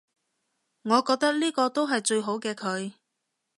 我覺得呢個都係最好嘅佢